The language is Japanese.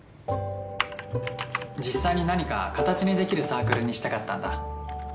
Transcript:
実際に何か形にできるサークルにしたかったんだ。